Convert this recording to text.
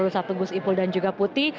satu gus ipul dan juga putih